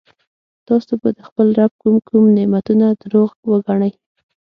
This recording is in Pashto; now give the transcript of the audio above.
تاسو به د خپل رب کوم کوم نعمتونه درواغ وګڼئ.